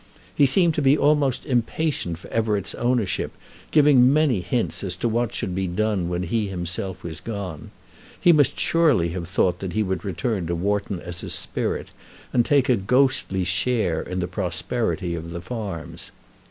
He seemed to be almost impatient for Everett's ownership, giving many hints as to what should be done when he himself was gone. He must surely have thought that he would return to Wharton as a spirit, and take a ghostly share in the prosperity of the farms.